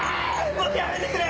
もうやめてくれ！